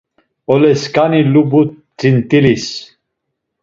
Olesǩani lubu tzint̆ilis!